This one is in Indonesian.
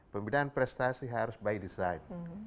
pembinaan prestasi harus by design